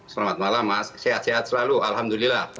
selamat malam mas sehat sehat selalu alhamdulillah